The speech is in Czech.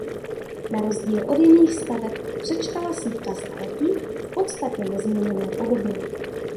Na rozdíl od jiných staveb přečkala sýpka staletí v podstatě nezměněné podobě.